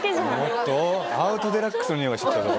おっとアウトデラックスのにおいがしてきたぞ